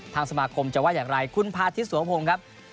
ทางสมาคมจะว่าอย่างไรคุณพาธิสสวงภพมครับ